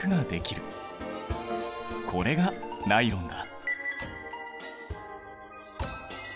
これがナイロンだ。